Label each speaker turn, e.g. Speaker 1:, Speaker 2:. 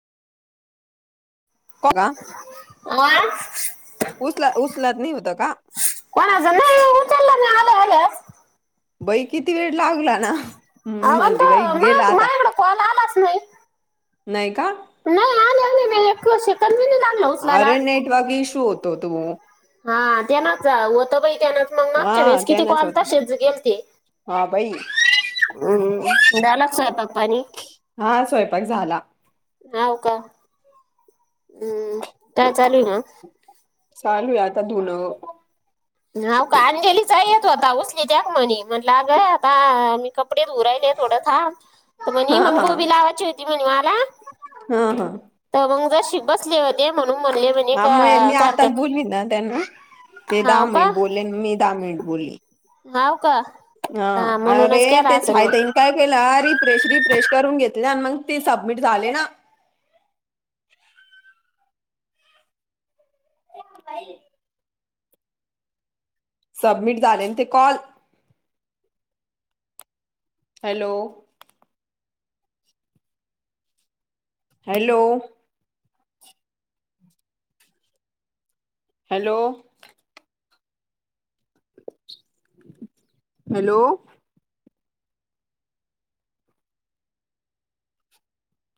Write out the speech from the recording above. Speaker 1: कोना उचल उचलात नाही होत का?
Speaker 2: कोणाच नाही उचलला नाही आल्या आल्या
Speaker 1: बाई किती वेळ लागला ना,
Speaker 2: अगं
Speaker 1: म्हणली
Speaker 2: तो
Speaker 1: बाई गेला
Speaker 2: मा-
Speaker 1: आता.
Speaker 2: माझ्याकडे कॉल आलाच नाही
Speaker 1: नाही का?
Speaker 2: नाही आले आल्यानी मीये तुह्य सेकंद बी नाही लागलं उचलायला
Speaker 1: अरे नेट वागे शू होतो तू.
Speaker 2: हा त्यांनाच होत बई त्यानाच मग मागच्या,
Speaker 1: हा
Speaker 2: वेळेस किती
Speaker 1: त्यानाच
Speaker 2: कॉल
Speaker 1: होत
Speaker 2: तसेच गेलते.
Speaker 1: हा बई
Speaker 2: हम्म झालात स्वयपाक पनी.
Speaker 1: सैपाक झाला.
Speaker 2: हाव का? हम् काय चालूय म?
Speaker 1: चालू आहे आता धुन-
Speaker 2: नाव का अंजलीच येत आता उसली त्या एक म्हणी म्हणला ग आता कपडे धु ऱ्हायले थोडं थांब. तर
Speaker 1: हा
Speaker 2: म्हणे मग
Speaker 1: हा
Speaker 2: गोबी लावायची होती म्हणे मला-
Speaker 1: हा हा.
Speaker 2: तर मग जशी बसले होते म्हणून म्हणले म्हणे
Speaker 1: हा म
Speaker 2: का
Speaker 1: मी आताच
Speaker 2: कार्तिक
Speaker 1: बोलली ना त्यांना ते- दहा
Speaker 2: हाव का
Speaker 1: मिनिट बोलेन मी दहा मिनिट बोलली.
Speaker 2: हाव का?
Speaker 1: हा अरे
Speaker 2: म्हणूनच केला
Speaker 1: ते
Speaker 2: असेल
Speaker 1: छाय
Speaker 2: मग
Speaker 1: तईन काय केला रिप्रेश री फ्रेश करून घेतल्यांन मंग ती सबमिट झाले ना, [unintelligible] बाई. सबमिट झालेन ते call. Hello. Hello. Hello. Hello.